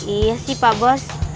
iya sih pak bos